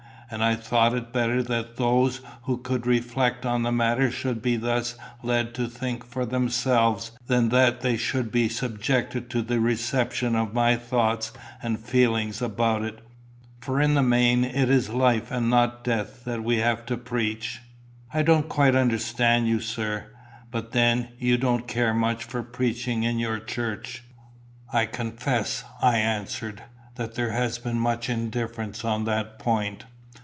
And I thought it better that those who could reflect on the matter should be thus led to think for themselves than that they should be subjected to the reception of my thoughts and feelings about it; for in the main it is life and not death that we have to preach." "I don't quite understand you, sir. But then you don't care much for preaching in your church." "I confess," I answered, "that there has been much indifference on that point.